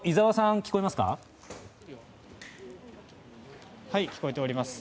聞こえております。